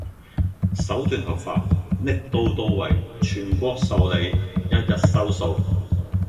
手段合法!力度到位!全國受理!一日收數!